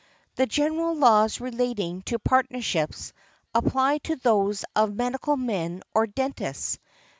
The general laws relating to partnerships apply to those of medical men or dentists.